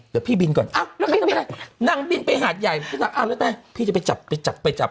เดี๋ยวพี่บินก่อนเอานั่งบินไปหาดใหญ่พี่จะไปจับไปจับไปจับ